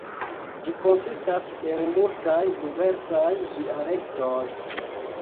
Ĝi konsistas el multaj diversaj dialektoj.